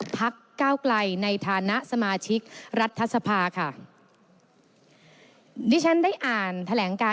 พักเก่าไกลในทราบิปรัฐสำชิกรัฐทัศพาค่ะนี่ฉันได้อ่านแถลงการ